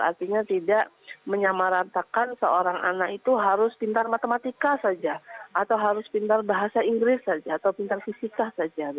artinya tidak menyamaratakan seorang anak itu harus pintar matematika saja atau harus pintar bahasa inggris saja atau pintar fisika saja